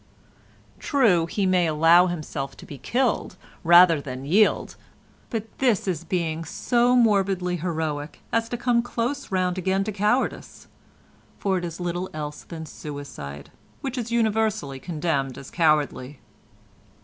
True, he may allow himself to be killed rather than yield, but this is being so morbidly heroic as to come close round again to cowardice; for it is little else than suicide, which is universally condemned as cowardly.